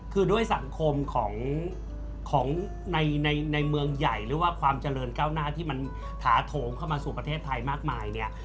คือด้วยสังคมของในเมืองใหญ่หรือว่าความเจริญก้าวหน้าที่มันถาโถมเข้ามาสู่ประเทศไทยมากมายเนี่ย